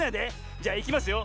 じゃいきますよ。